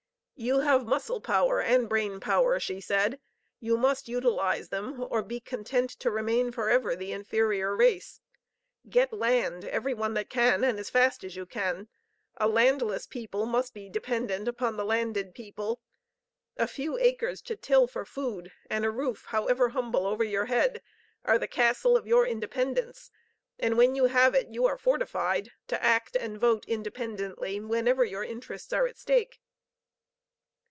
"You have muscle power and brain power," she said; "you must utilize them, or be content to remain forever the inferior race. Get land, every one that can, and as fast as you ean. A landless people must be dependent upon the landed people. A few acres to till for food and a roof, however bumble, over your head, are the castle of your independence, and when you have it you are fortified to act and vote independently whenever your interests are at stake."